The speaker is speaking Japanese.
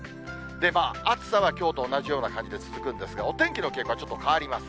まあ暑さはきょうと同じような感じで続くんですが、お天気の傾向はちょっと変わります。